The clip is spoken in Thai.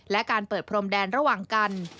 และการเปิดพรมแดนระหว่างกัน